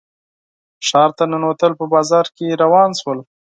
ښار ته ننوتل په بازار کې روان شول.